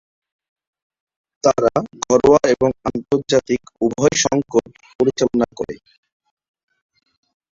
তারা ঘরোয়া এবং আন্তর্জাতিক উভয় সংকট পরিচালনা করে।